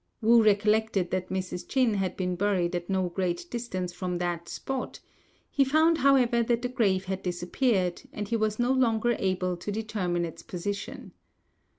Wu recollected that Mrs. Ch'in had been buried at no great distance from that spot; he found, however, that the grave had disappeared, and he was no longer able to determine its position.